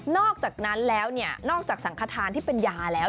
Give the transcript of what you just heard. อกจากนั้นแล้วนอกจากสังขทานที่เป็นยาแล้ว